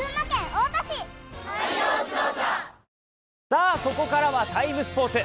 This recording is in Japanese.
さあ、ここからは「ＴＩＭＥ，スポーツ」。